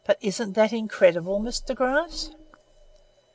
Isn't that incredible, Mr. Gryce?"